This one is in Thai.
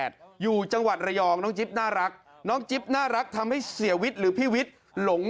หนูจะรับใช้หนี้เอง